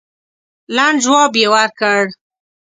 لنډ جواب یې ورکړ.